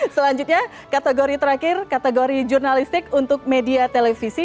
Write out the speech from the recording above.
selanjutnya kategori terakhir kategori jurnalistik untuk media televisi